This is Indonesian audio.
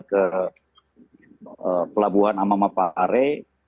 ke pelabuhan amamapare